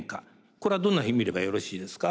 これはどんなふうに見ればよろしいですか？